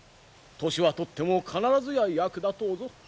年は取っても必ずや役立とうぞ。